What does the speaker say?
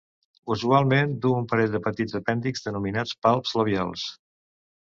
Usualment du un parell de petits apèndixs denominats palps labials.